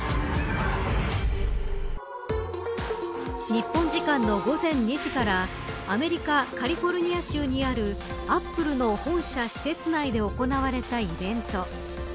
日本時間の午前２時からアメリカ・カリフォルニア州にあるアップルの本社施設内で行われたイベント。